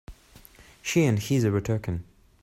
She and Heather were talking.